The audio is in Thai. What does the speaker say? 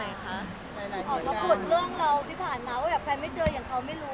อย่างที่เขาพูดจริงสินะ